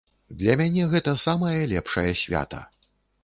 Для мяне гэта самае лепшае свята.